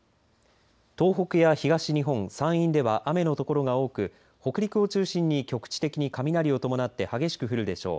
東北や東日本、山陰では雨のところが多く北陸を中心に局地的に雷を伴って激しく降るでしょう。